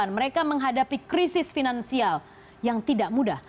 mereka menghadapi krisis finansial yang tidak mudah